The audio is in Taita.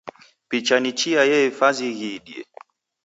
Picha ni chia yehifazi ghiidie